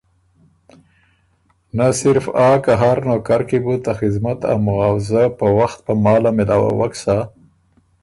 نۀ صرف آ که هر نوکر کی بُو ته خذمت ا معاؤضۀ په وخت په محاله مېلاؤوک سَۀ